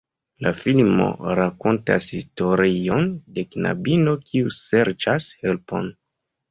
La filmo rakontas historion de knabino kiu serĉas helpon.